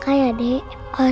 kasian dede askara